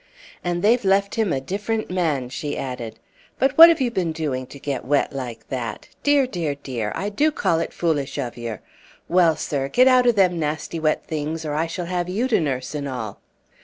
"And they've left him a different man," she added. "But what have you been doing to get wet like that? Dear, dear, dear! I do call it foolish of yer! Well, sir, get out o' them nasty wet things, or I shall have you to nurse an' all!"